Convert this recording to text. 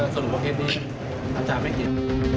สรุปประเภทนี้อาจารย์ไม่เกลียด